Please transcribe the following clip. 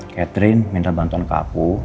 catherine minta bantuan ke aku